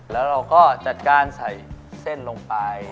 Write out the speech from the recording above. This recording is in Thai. แล้วเราก็จัดการใส่เส้นลงไป